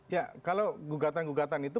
ya kalau gugatan gugatan itu